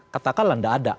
katakanlah gak ada